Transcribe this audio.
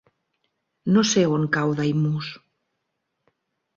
No sé on cau Daimús.